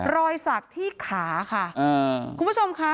รอยสักที่ขาค่ะคุณผู้ชมค่ะ